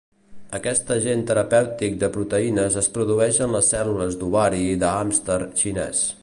Aquest agent terapèutic de proteïnes es produeix en les cèl·lules d'ovari de hàmster xinès.